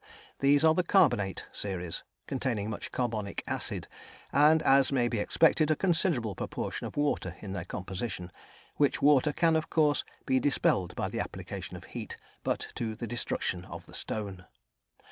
These are the carbonate series, containing much carbonic acid, and, as may be expected, a considerable proportion of water in their composition, which water can, of course, be dispelled by the application of heat, but to the destruction of the stone.